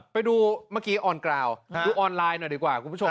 ไปดูเมื่อกี้อ่อนกล่าวดูออนไลน์หน่อยดีกว่าคุณผู้ชม